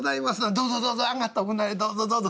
どうぞどうぞ上がっておくんなはれどうぞどうぞ。